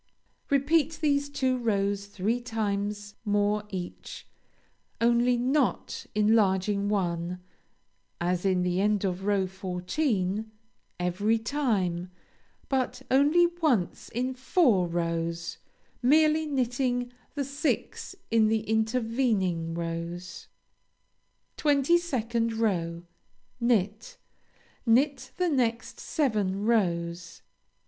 Repeat these two rows three times more each, only not enlarging one (as in the end of row fourteen), every time, but only once in four rows, merely knitting the six in the intervening rows. 22nd row Knit. Knit the next seven rows.